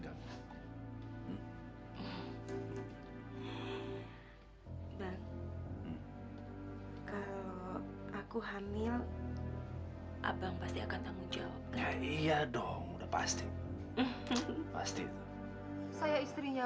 kalau aku hamil abang pasti akan tanggung jawab iya dong udah pasti pasti saya istrinya